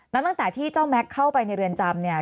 แล้วตั้งแต่ที่เจ้าแม็กซ์เข้าไปในเรือนจำเนี่ย